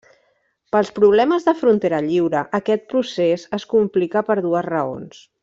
Pels problemes de frontera lliure, aquest procés es complica per dues raons.